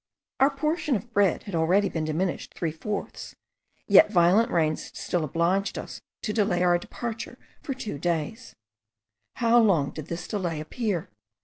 Our portion of bread had already been diminished three fourths, yet violent rains still obliged us to delay our departure for two days. How long did this delay appear!